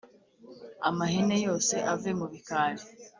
Amahene yose ave mu bikari,